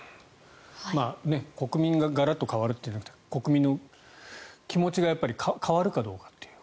国民がガラッと変わるではなく国民の気持ちが変わるかどうかという。